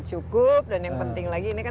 cukup dan yang penting lagi ini kan